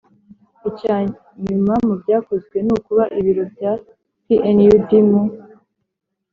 Icya nyuma mu byakozwe ni ukuba ibiro bya pnud mu